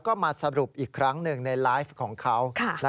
ก็มาสรุปอีกครั้งหนึ่งในไลฟ์ของเขา